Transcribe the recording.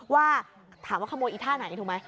ว่าถามว่าขโมยอีท่าไหนถูกไหม